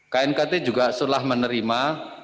knkt juga setelah menerima